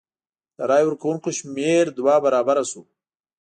د رای ورکوونکو شمېر دوه برابره شو.